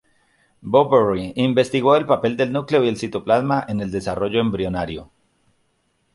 Boveri investigó el papel del núcleo y el citoplasma en el desarrollo embrionario.